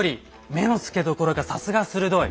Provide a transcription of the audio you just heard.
目のつけどころがさすが鋭い。